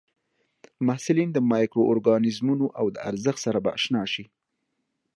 محصلین د مایکرو ارګانیزمونو او د ارزښت سره به اشنا شي.